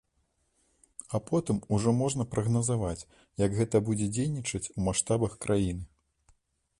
А потым ужо можна прагназаваць, як гэта будзе дзейнічаць у маштабах краіны.